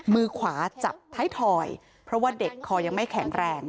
มือขวาจับท้ายถอยเพราะว่าเด็กคอยังไม่แข็งแรง